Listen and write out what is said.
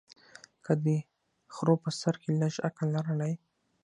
که دې خرو په سر کي لږ عقل لرلای